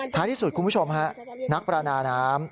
ที่สุดคุณผู้ชมฮะนักประดาน้ำ